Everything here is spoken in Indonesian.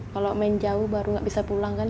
kalau main jauh baru nggak bisa pulang kan